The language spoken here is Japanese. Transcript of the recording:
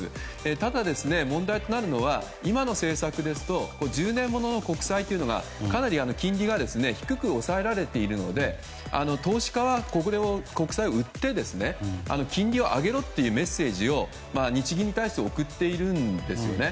ただ、問題となるのは今の政策ですと１０年後の国債がかなり金利が低く抑えられているので投資家は国債を売って金利を上げろというメッセージを日銀に対して送っているんですよね。